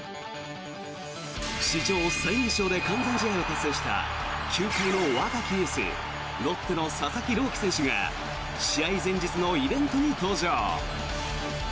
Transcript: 史上最年少で完全試合を達成した球界の若きエースロッテの佐々木朗希選手が試合前日のイベントに登場。